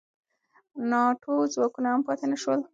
ناټو ځواکونه هم پاتې نه شول.